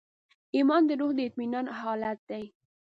ایمان د روح د اطمینان حالت دی.